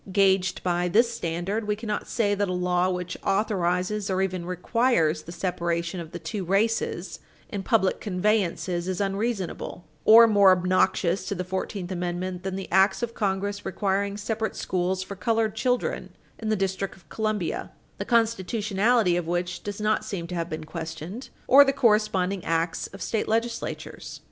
Gauged by this standard, we cannot say that a law which authorizes or even requires the separation of the two races in public conveyances is unreasonable, or more obnoxious to the Fourteenth Amendment than the acts of Congress requiring separate schools for colored children in the District of Columbia, the constitutionality of which does not seem to have been questioned, or the corresponding acts of state legislatures.